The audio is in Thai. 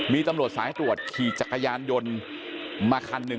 มีตำรวจสายตรวจขี่จักรยานยนต์มาคันหนึ่ง